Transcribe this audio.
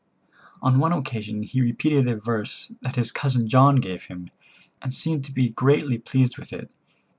On one occasion he repeated a verse that his cousin John gave him, and seemed to be greatly pleased with it.